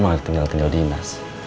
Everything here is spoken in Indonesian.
mak juga tinggal di dinas